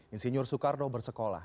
insinyur soekarno bersekolah